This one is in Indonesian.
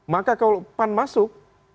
maka kalau pan masuk